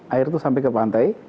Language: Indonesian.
air sampai ke pantai